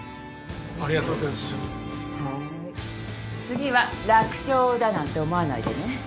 次は楽勝だなんて思わないでね。